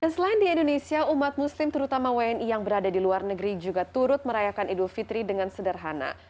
selain di indonesia umat muslim terutama wni yang berada di luar negeri juga turut merayakan idul fitri dengan sederhana